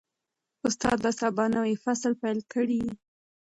استاد به سبا نوی فصل پیل کړي.